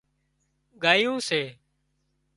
ڳايون سي